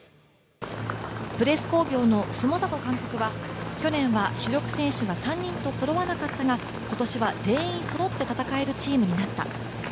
プレス工業の下里監督は去年は主力選手が３人とそろわなかったが今年は全員そろって戦えるチームになった。